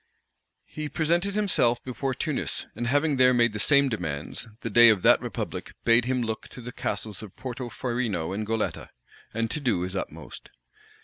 He presented himself before Tunis; and having there made the same demands, the dey of that republic bade him look to the castles of Porto Farino and Goletta, and do his utmost.